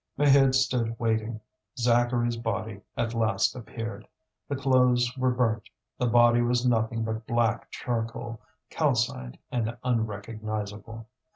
Maheude stood waiting. Zacharie's body at last appeared. The clothes were burnt, the body was nothing but black charcoal, calcined and unrecognizable.